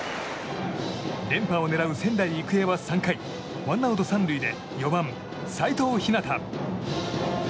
連覇を狙う仙台育英は３回ワンアウト３塁で４番、齋藤陽。